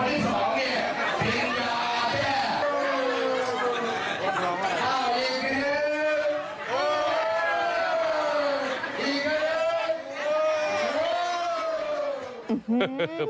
อีกคืน